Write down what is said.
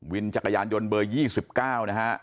จักรยานยนต์เบอร์๒๙นะฮะ